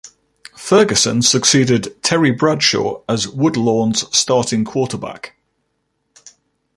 Ferguson succeeded Terry Bradshaw as Woodlawn's starting quarterback.